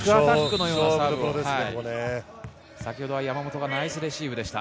先ほどは山本がナイスレシーブでした。